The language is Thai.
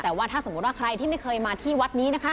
แต่ว่าถ้าสมมุติว่าใครที่ไม่เคยมาที่วัดนี้นะคะ